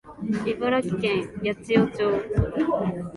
茨城県八千代町